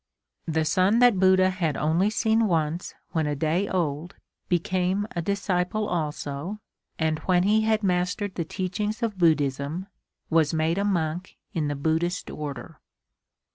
The son that Buddha had only seen once when a day old became a disciple also, and, when he had mastered the teachings of Buddhism, was made a monk in the Buddhist order.